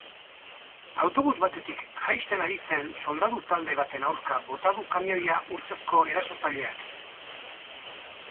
Autobus batetik jaisten ari zen soldadu-talde baten aurka bota du kamioia ustezko erasotzaileak.